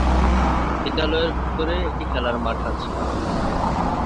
বিদ্যালয়ের ভেতরে একটি খেলার মাঠ আছে।